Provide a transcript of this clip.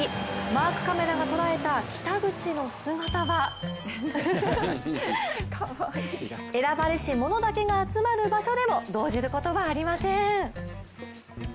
マークカメラが捉えた北口の姿は選ばれし者だけが集まる場所でも動じることはありません。